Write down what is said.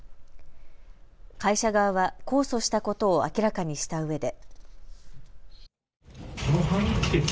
会社側は控訴したことを明らかにしたうえで。